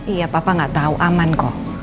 iya papa gak tau aman kok